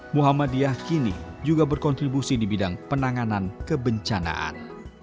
muhammadiyah kini juga berkontribusi di bidang penanganan kebencanaan